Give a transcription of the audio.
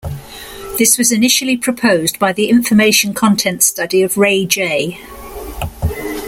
This was initially proposed by the information content study of Ray J.